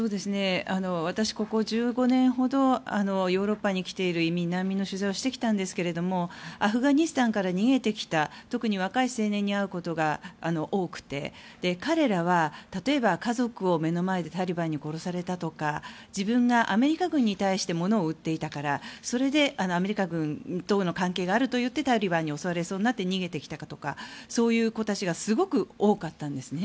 私、ここ１５年ほどヨーロッパに来ている移民、難民の取材をしてきたんですけれどもアフガニスタンから逃げてきた特に若い青年に会うことが多くて彼らは例えば家族を目の前でタリバンに殺されたとか自分がアメリカ軍に対して物を売っていたからそれで、アメリカ軍との関係があるといってタリバンに襲われそうになって逃げてきたとかそういう子たちがすごく多かったんですね。